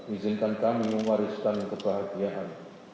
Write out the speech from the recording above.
izinkan kami mewariskan kebahagiaan